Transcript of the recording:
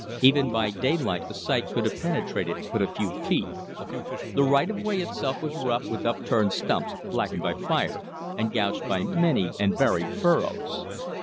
Even by daylight the sight could have penetrated but a few feet. The right of way itself was rough with upturned stumps, blackened by fire, and gouged by many and varied furrows.